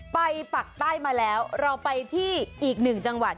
ปักใต้มาแล้วเราไปที่อีกหนึ่งจังหวัด